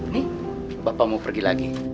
nih bapak mau pergi lagi